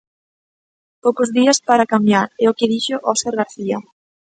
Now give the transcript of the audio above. Poucos días para cambiar, é o que dixo Óscar García.